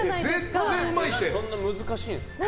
そんな難しいんですか？